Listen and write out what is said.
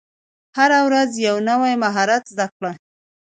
هره ورځ یو نوی مهارت زده کړه.